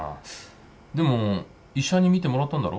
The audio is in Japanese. でも医者に診てもらったんだろ？